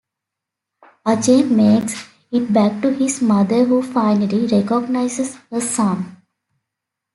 Ajay makes it back to his mother who finally recognizes her son.